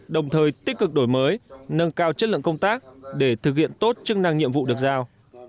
đồng thời tích cực đổi mới nâng cao chất lượng công tác để thực hiện tốt chức năng nhiệm vụ được giao